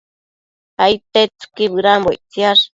Aidtetsëqui bëdambo ictsiash